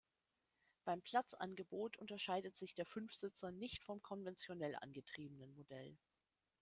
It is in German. Beim Platzangebot unterscheidet sich der Fünfsitzer nicht vom konventionell angetriebenen Modell.